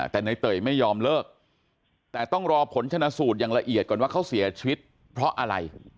แต่ในเตยไม่ยอมเลิกแต่ต้องรอผลชนะสูตรอย่างละเอียดก่อนว่าเขาเสียชีวิตเพราะอะไร